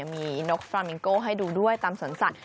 มีนกฟราเมงโก้ให้ดูด้วยตามสวนสัตว